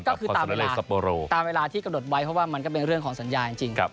ก็คือตามเวลาตามเวลาที่กำหนดไว้เพราะว่ามันก็เป็นเรื่องของสัญญาจริง